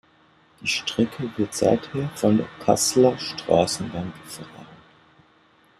Die Strecke wird seither von der Kasseler Straßenbahn befahren.